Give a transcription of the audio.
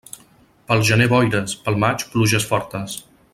Pel gener boires, pel maig pluges fortes.